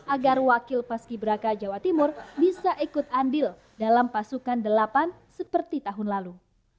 agar wakil paski braka jawa timur bisa ikut andil dalam pasukan delapan seperti tahun lalu